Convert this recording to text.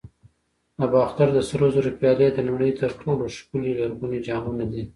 د باختر د سرو زرو پیالې د نړۍ تر ټولو ښکلي لرغوني جامونه دي